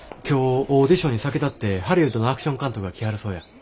今日オーディションに先立ってハリウッドのアクション監督が来はるそうや。